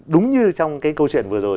đúng như trong cái câu chuyện vừa rồi